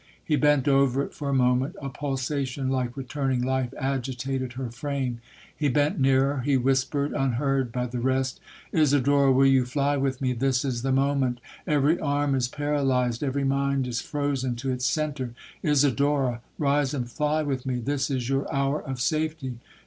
He bent over it for a moment—a pulsation like returning life agitated her frame. He bent nearer—he whispered, unheard by the rest,—'Isadora, will you fly with me—this is the moment—every arm is paralyzed—every mind is frozen to its centre!—Isidora, rise and fly with me—this is your hour of safety!'